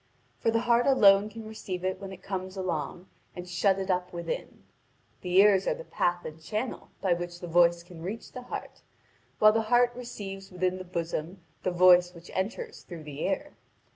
For the heart alone can receive it when it comes along, and shut it up within. The ears are the path and channel by which the voice can reach the heart, while the heart receives within the bosom the voice which enters through the ear.